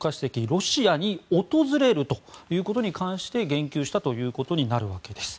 ロシアに訪れるということに関して言及したということになるわけです。